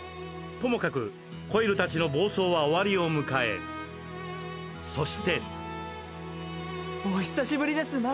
ともかくコイルたちの暴走は終わりを迎えそしてお久しぶりです